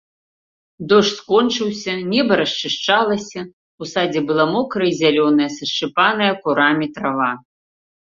Дождж скончыўся, неба расчышчалася, у садзе была мокрая і зялёная, сашчыпаная курамі трава.